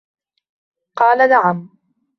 قال نعم.